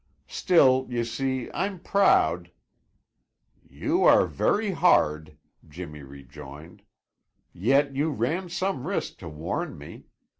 Still, you see, I'm proud " "You are very hard," Jimmy rejoined. "Yet you ran some risk to warn me.